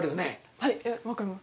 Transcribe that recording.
はい分かります。